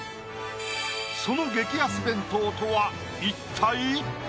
その激安弁当とは一体？